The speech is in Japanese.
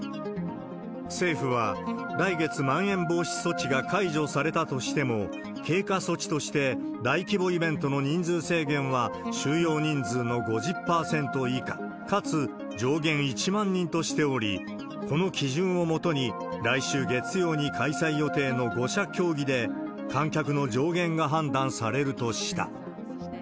政府は、来月、まん延防止措置が解除されたとしても、経過措置として、大規模イベントの人数制限は収容人数の５０％以下、かつ上限１万人としており、この基準をもとに、来週月曜に開催予定の５者協議で観客の上限が判断されるとした。